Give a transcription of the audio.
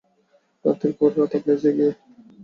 রাতের পর রাত আপনি জেগে।